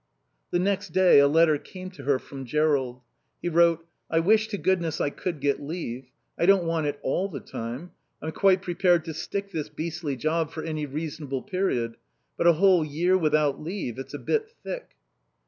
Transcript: The next day a letter came to her from Jerrold. He wrote: "I wish to goodness I could get leave. I don't want it all the time. I'm quite prepared to stick this beastly job for any reasonable period; but a whole year without leave, it's a bit thick..."